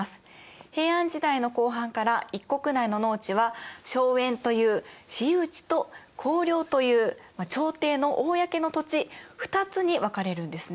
平安時代の後半から一国内の農地は荘園という私有地と公領という朝廷の公の土地２つに分かれるんですね。